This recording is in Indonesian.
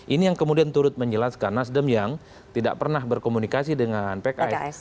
ini yang kemudian turut menjelaskan nasdem yang tidak pernah berkomunikasi dengan pks